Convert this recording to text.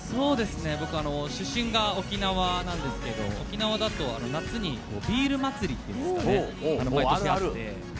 僕出身が沖縄なんですけど沖縄だと夏にビール祭りというのが毎年あって。